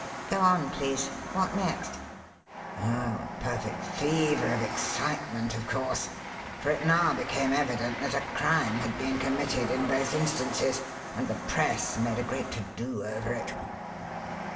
Go on, please. What next?" "Oh, a perfect fever of excitement, of course; for it now became evident that a crime had been committed in both instances; and the Press made a great to do over it.